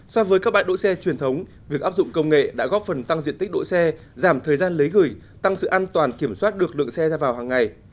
so với các bãi đỗ xe truyền thống việc áp dụng công nghệ đã góp phần tăng diện tích đỗ xe giảm thời gian lấy gửi tăng sự an toàn kiểm soát được lượng xe ra vào hàng ngày